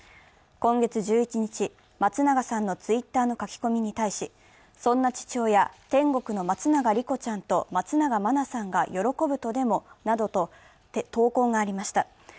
今月１１日、松永さんのＴｗｉｔｔｅｒの書き込みに対し、「そんな父親、天国の松永莉子ちゃんと松永真菜さんが喜ぶとでも？？」などと投稿がありました。